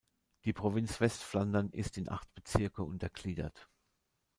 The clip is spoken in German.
Die Provinz Westflandern ist in acht Bezirke untergliedert.